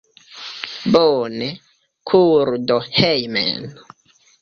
Bone, kuru do hejmen.